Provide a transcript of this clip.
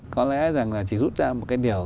có lẽ chỉ rút ra một cái điều